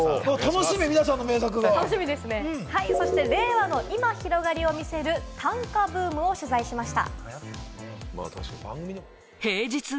令和の今、広がりを見せる短歌ブームを取材しました。